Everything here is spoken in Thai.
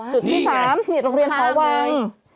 จุดที่๓โรงเรียนท้อวง